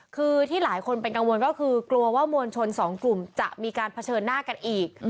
คือที่หลายคนเป็นกังวลก็คือกลัวว่ามวลชนสองกลุ่มจะมีการเผชิญหน้ากันอีก